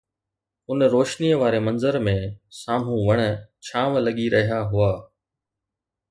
ان روشنيءَ واري منظر ۾ سامهون وڻ ڇانوَ لڳي رهيا هئا